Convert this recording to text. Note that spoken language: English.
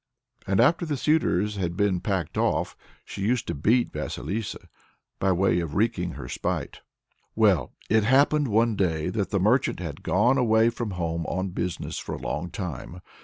And after the suitors had been packed off, she used to beat Vasilissa by way of wreaking her spite. Well, it happened one day that the merchant had to go away from home on business for a long time.